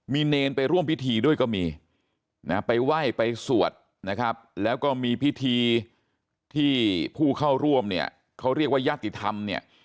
มีเนรไปร่วมพิธีด้วยก็มีนะไปไหว้ไปสวดนะครับแล้วก็มีพิธีที่ผู้เข้าร่วมเนี่ยเขาเรียกว่าญาติธรรมเนี่ย